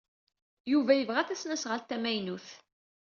Yuba yebɣa tasnaɣalt tamaynut.